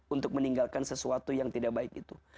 untuk meninggalkan sesuatu yang tidak baik itu